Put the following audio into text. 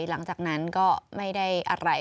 หลังจากนั้นก็ไม่ได้อะไร